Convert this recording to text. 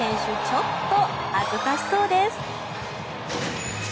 ちょっと恥ずかしそうです。